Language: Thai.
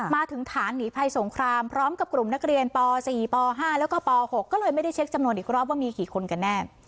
มาถึงฐานหนีภัยสงครามพร้อมกับกลุ่มนักเรียนป๔ป๕แล้วก็ป๖ก็เลยไม่ได้เช็คจำนวนอีกรอบว่ามีกี่คนกันแน่